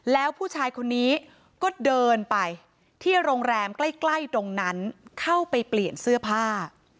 แล้วผู้ชายคนนี้ก็เดินไปที่โรงแรมใกล้ใกล้ตรงนั้นเข้าไปเปลี่ยนเสื้อผ้า